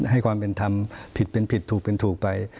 ให้ความเป็นธรรมผิดเป็นผิดถูกเป็นถูกไป